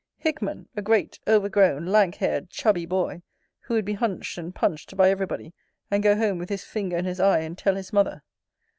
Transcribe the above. Hickman, a great overgrown, lank haired, chubby boy, who would be hunched and punched by every body; and go home with his finger in his eye, and tell his mother.